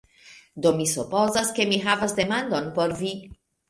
Do mi supozas ke mi havas demandon por vi: